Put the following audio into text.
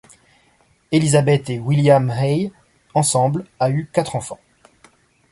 Elizabeth et William Hay ensemble a eu quatre enfants.